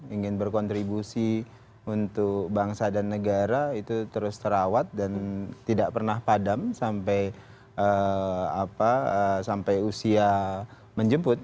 ingin berkontribusi untuk bangsa dan negara itu terus terawat dan tidak pernah padam sampai usia menjemput